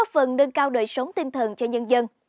phần nâng cao đời sống tinh thần cho nhân dân